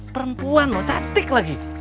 perempuan loh cantik lagi